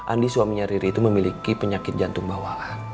andi suaminya riri itu memiliki penyakit jantung bawaan